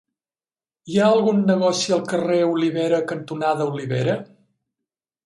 Hi ha algun negoci al carrer Olivera cantonada Olivera?